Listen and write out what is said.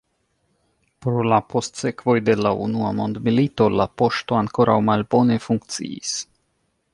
Pro la postsekvoj de la Unua Mondmilito, la poŝto ankoraŭ malbone funkciis.